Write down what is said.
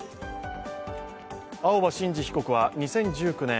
青葉真司被告は２０１９年